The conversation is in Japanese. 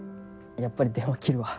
やっぱり電話切るわ。